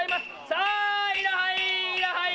さあいらはい！